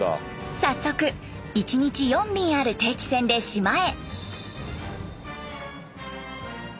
早速１日４便ある定期船で島へ。